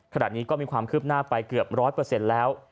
ขนาดนี้ก็มีความคืบหน้าไปเกือบร้อยเปอร์เซ็นต์แล้ว